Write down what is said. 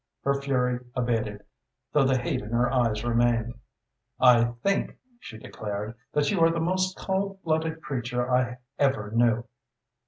Her fury abated, though the hate in her eyes remained. "I think," she declared, "that you are the most coldblooded creature I ever knew."